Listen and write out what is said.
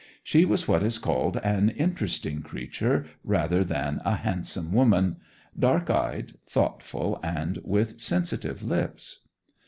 She was what is called an interesting creature rather than a handsome woman; dark eyed, thoughtful, and with sensitive lips.